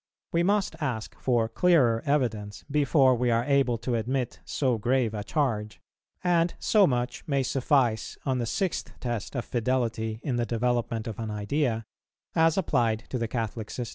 We must ask for clearer evidence before we are able to admit so grave a charge; and so much may suffice on the Sixth Test of fidelity in the development of an idea, as applied to the Catholic system.